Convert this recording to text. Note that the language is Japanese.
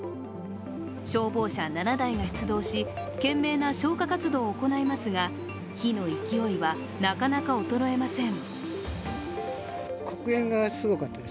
消防車７台が出動し懸命な消火活動を行いますが火の勢いはなかなか衰えません。